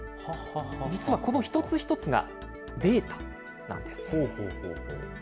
実はこの一つ一つがデータなんです。